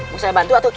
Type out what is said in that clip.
mau saya bantu atau ki